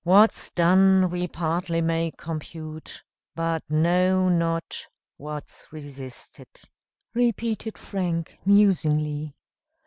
"'What's done we partly may compute; But know not what's resisted,'" repeated Frank musingly.